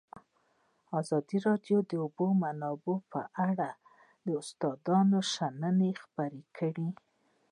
ازادي راډیو د د اوبو منابع په اړه د استادانو شننې خپرې کړي.